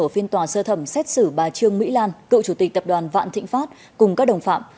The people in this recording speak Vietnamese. phiên tòa sơ thẩm xét xử bà trương mỹ lan cựu chủ tịch tập đoàn vạn thịnh pháp cùng các đồng phạm